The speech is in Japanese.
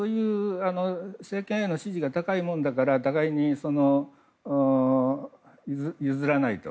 政権への支持が高いもんだから互いに譲らないと。